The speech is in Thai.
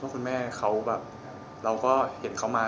คุณแม่เขาแบบเราก็เห็นเขามา